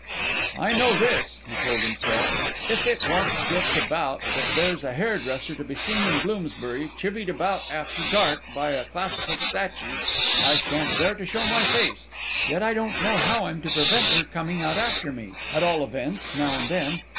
"I know this," he told himself, "if it once gets about that there's a hairdresser to be seen in Bloomsbury chivied about after dark by a classical statue, I shan't dare to show my face. Yet I don't know how I'm to prevent her coming out after me, at all events now and then.